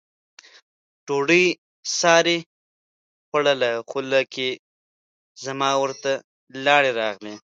ډوډۍ سارې خوړله، خوله کې زما ورته لاړې راغلې.